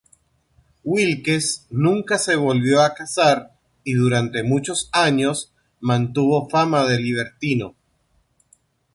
Wilkes nunca se volvió a casar y durante muchos años mantuvo fama de libertino.